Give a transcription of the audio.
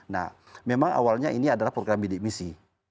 nah memang awalnya ini adalah program bidik misi